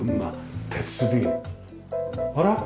あら？